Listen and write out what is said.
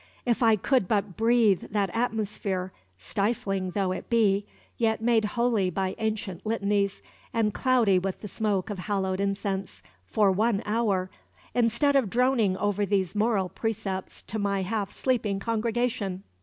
"If I could but breathe that atmosphere, stifling though it be, yet made holy by ancient litanies, and cloudy with the smoke of hallowed incense, for one hour, instead of droning over these moral precepts to my half sleeping congregation!"